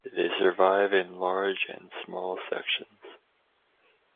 They survive in large and small sections.